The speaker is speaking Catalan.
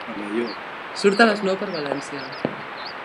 Surt a les nou per València.